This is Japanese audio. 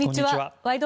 「ワイド！